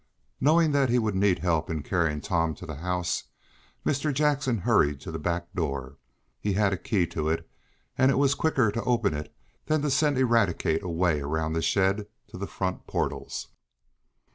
Knowing that he would need help in carrying Tom to the house, Mr. Jackson hurried to the back door. He had a key to it, and it was quicker to open it than to send Eradicate away around the shed to the front portals.